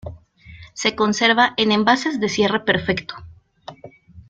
Se conserva en envases de cierre perfecto.